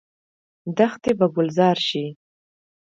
دښتې به ګلزار شي.